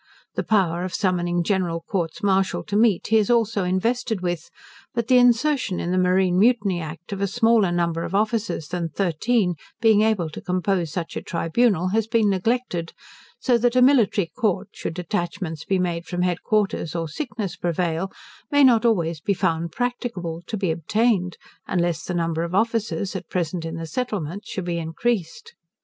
The power of summoning General Courts Martial to meet he is also invested with, but the insertion in the marine mutiny act, of a smaller number of officers than thirteen being able to compose such a tribunal, has been neglected: so that a Military court, should detachments be made from headquarters, or sickness prevail, may not always be found practicable to be obtained, unless the number of officers, at present in the Settlement, shall be increased.